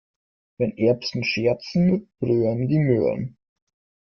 Wenn Erbsen scherzen, röhren die Möhren.